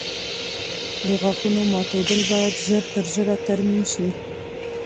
د غاښونو ماتېدل باید ژر تر ژره ترمیم شي.